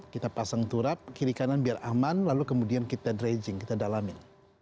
kita pasang turap kiri kanan biar aman lalu kemudian kita dredging kita dalamin